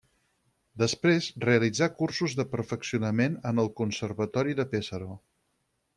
Després realitzà cursos de perfeccionament en el Conservatori de Pesaro.